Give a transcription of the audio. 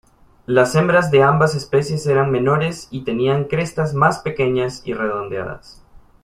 Las hembras de ambas especies era menores y tenían crestas más pequeñas y redondeadas.